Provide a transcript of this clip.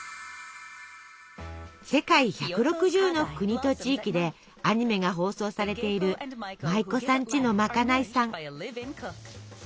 世界１６０の国と地域でアニメが放送されている「舞妓さんちのまかないさん」。